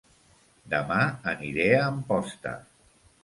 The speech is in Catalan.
Dema aniré a Amposta